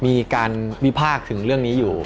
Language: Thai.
มีการวิพากษ์ถึงเรื่องนี้อยู่